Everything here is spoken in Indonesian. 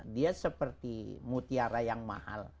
dia seperti mutiara yang mahal